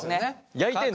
焼いてんの？